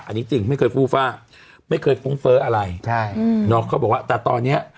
อันนี้จริงไม่เคยฟูฟ่าไม่เคยฟุ้งเฟ้ออะไรใช่อืมน้องเขาบอกว่าแต่ตอนเนี้ย